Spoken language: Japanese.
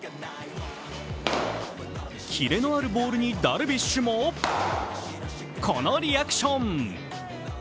キレのあるボールにダルビッシュもこのリアクション。